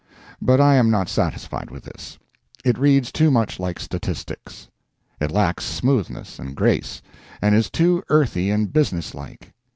But I am not satisfied with this. It reads too much like statistics. It lacks smoothness and grace, and is too earthy and business like.